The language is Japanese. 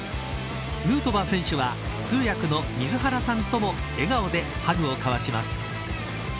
ヌートバー選手は通訳の水原さんとも笑顔でハグを交わします。